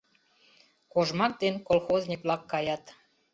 Кожмак ден колхозник-влак каят.